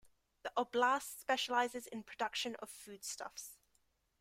The oblast specializes in production of foodstuffs.